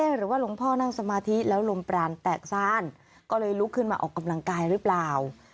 หรือว่าหลวงพ่อนั่งสมาธิแล้วลมปรานแตกซ่านก็เลยลุกขึ้นมาออกกำลังกายหรือเปล่า